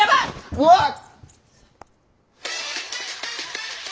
うわっ！